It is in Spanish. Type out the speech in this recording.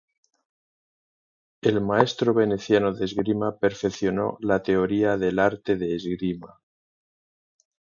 El maestro veneciano de esgrima perfeccionó la teoría del arte de esgrima.